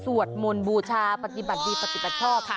สวดมนตร์บูชาปฏิบัติดีปฏิแพรห์ต้อ